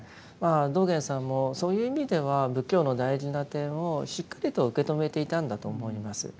道元さんもそういう意味では仏教の大事な点をしっかりと受け止めていたんだと思います。